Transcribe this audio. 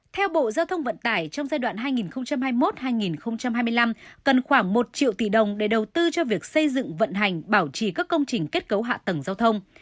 theo bộ giao thông vận tải trong giai đoạn hai nghìn hai mươi một hai nghìn hai mươi năm cần khoảng một triệu tỷ đồng để đầu tư cho việc xây dựng vận hành bảo trì các công trình kết cấu hạ tầng giao thông